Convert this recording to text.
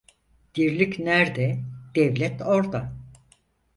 Dirlik nerde, devlet orda.